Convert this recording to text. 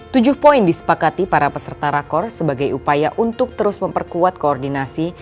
tujuh poin disepakati para peserta rakor sebagai upaya untuk terus memperkuat koordinasi